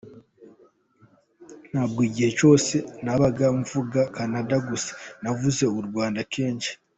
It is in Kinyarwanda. Ntabwo igihe cyose nabaga mvuga Canada gusa, navuze u Rwanda kenshi”.